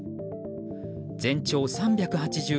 全長３８５ｍ。